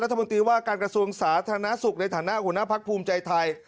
รัฐมนตรีว่าการกระทรวงสาธารณสุขในฐานะหัวหน้าพักภูมิใจไทย